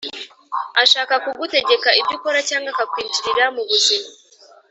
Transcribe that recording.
ashaka kugutegeka ibyo ukora cyangwa akakwinjirira mu buzima